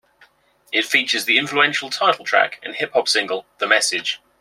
It features the influential title track and hip-hop single "The Message".